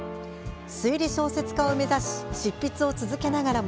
推理小説家を目指し執筆を続けながらも